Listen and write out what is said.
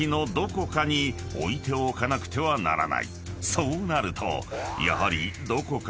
［そうなるとやはり］